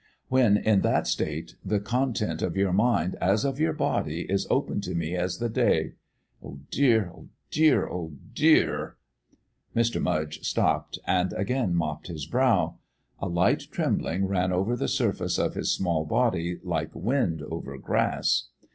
When in that state the content of your mind, as of your body, is open to me as the day. Oh, dear, oh, dear, oh, dear!" Mr. Mudge stopped and again mopped his brow. A light trembling ran over the surface of his small body like wind over grass.